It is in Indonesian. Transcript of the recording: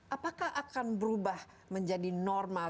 apakah akan berubah menjadi normal